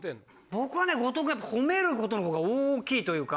僕はね後藤くん褒めることのほうが大きいというか。